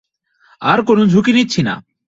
আর কোনো ঝুঁকি নিচ্ছি না।